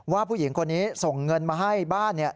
ผู้หญิงคนนี้ส่งเงินมาให้บ้าน